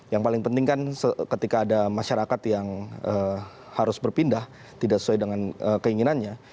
yang paling penting kan ketika ada masyarakat yang harus berpindah tidak sesuai dengan keinginannya